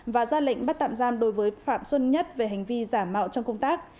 và ra lệnh bắt tạm giam đối với phạm xuân nhất về hành vi giả mạo trong công tác